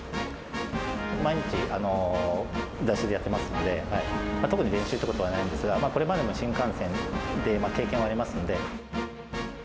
毎日出し入れやってますので、特に練習っていうことはないんですが、これまでの新幹線で経験はありますので。